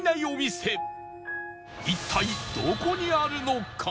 一体どこにあるのか？